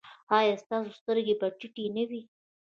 ایا ستاسو سترګې به ټیټې نه وي؟